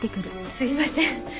すいません。